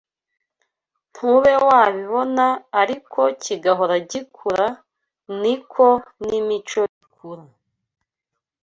ntube wabibona ariko kigahora gikura, ni ko n’imico ikura.